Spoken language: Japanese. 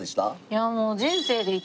いやもう。